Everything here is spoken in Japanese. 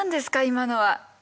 今のは。